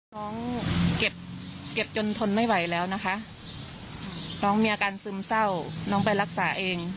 น้องเก็บจนทนไม่ไหวแล้วนะคะน้องมีอาการซึมเศร้าน้องไปรักษาเอง